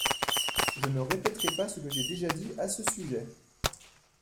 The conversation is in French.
Je ne répéterai pas ce que j’ai déjà dit à ce sujet.